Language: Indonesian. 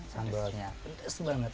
sambalnya pedas banget